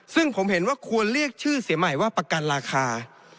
ซึ่งผมเห็นว่าควรเรียกชื่อเสียใหม่ว่าประกันราคา